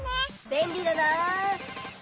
べんりだなあ。